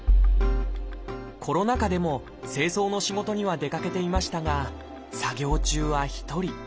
コロナ禍でも清掃の仕事には出かけていましたが作業中は１人。